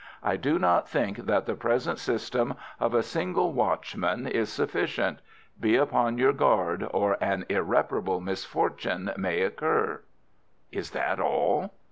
I do not think that the present system of a single watchman is sufficient. Be upon your guard, or an irreparable misfortune may occur.'" "Is that all?"